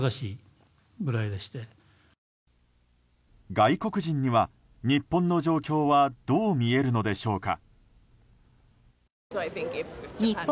外国人には、日本の状況はどう見えるのでしょうか？